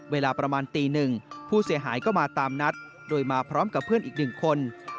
เวลาประมาณตีหนึ่งผู้เสียหายก็มาตามนัดโดยมาพร้อมกับเพื่อนอีกหนึ่งคน